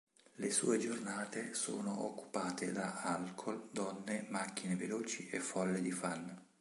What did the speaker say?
Le sue giornate sono occupate da alcool, donne, macchine veloci e folle di fan.